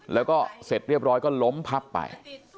แล้วก็เสร็จเรียบร้อยก็ล้มพับไป